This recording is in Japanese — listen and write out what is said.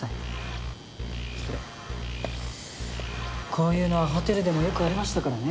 こういうのはホテルでもよくありましたからね。